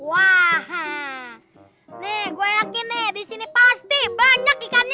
wah nih gue yakin nih disini pasti banyak ikannya